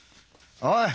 おい！